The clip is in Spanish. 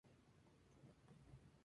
Hugh Munro nunca escaló su propia lista.